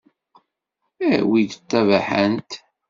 Awi-d tabaḥant.